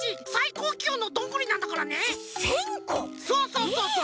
そうそうそうそう。